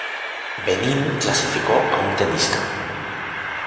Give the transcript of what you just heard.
Benín clasificó a un tenista.